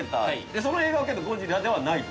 その映画は「ゴジラ」ではないと？